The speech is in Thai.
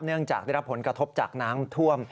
เนื่องจากได้รับผลกระทบจากน้ำท่วม